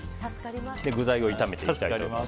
具材を炒めていきたいと思います。